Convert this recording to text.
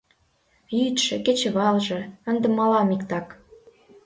— Йӱдшӧ, кечывалже — ынде мылам иктак.